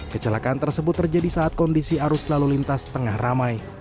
kecelakaan tersebut terjadi saat kondisi arus lalu lintas tengah ramai